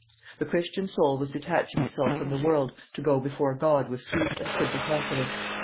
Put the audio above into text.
The Christian soul was detaching itself from the world to go before God with sweet and simple confidence.